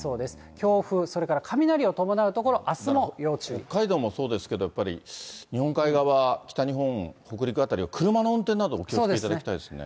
強風、それから北海道もそうですけども、やっぱり日本海側、北日本、北陸辺りは車の運転などお気をつけいただきたいですね。